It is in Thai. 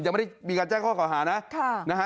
ยังไม่ได้มีการแจ้งข้อเก่าหานะ